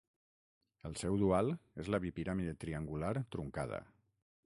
El seu dual és la bipiràmide triangular truncada.